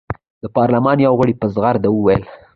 د پارلمان یوه غړي په زغرده وویل.